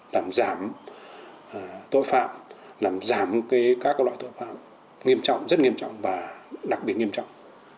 làm giảm tội phạm làm giảm các loại tội phạm nghiêm trọng rất nghiêm trọng và đặc biệt nghiêm trọng